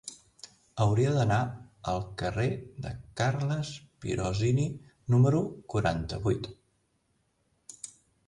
Hauria d'anar al carrer de Carles Pirozzini número quaranta-vuit.